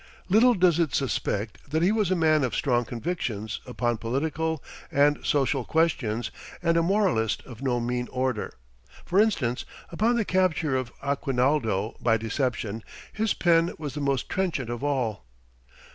Little does it suspect that he was a man of strong convictions upon political and social questions and a moralist of no mean order. For instance, upon the capture of Aguinaldo by deception, his pen was the most trenchant of all.